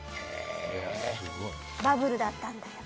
バブルだったんだ。